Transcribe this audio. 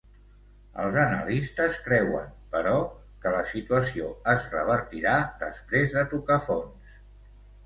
Els analistes creuen, però, que la situació es revertirà després de tocar fons.